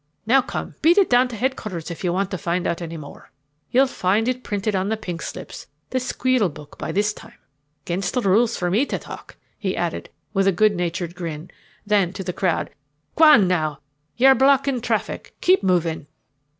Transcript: Now come, beat it down to headquarters if you want to find out any more. You'll find it printed on the pink slips the 'squeal book' by this tune. 'Gainst the rules for me to talk," he added with a good natured grin, then to the crowd: "Gwan, now. You're blockin' traffic. Keep movin'."